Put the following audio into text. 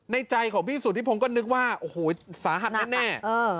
ในใจของพี่สุธิพงศ์ก็นึกว่าโอ้โหสาหัสแน่